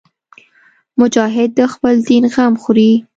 مجاهد د خپل دین غم خوري.